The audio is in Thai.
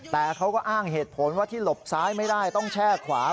แต่เขาก็อ้างเหตุผลว่าที่หลบซ้ายไม่ได้ต้องแช่ขวา